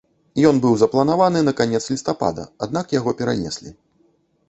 Ён быў запланаваны на канец лістапада, аднак яго перанеслі.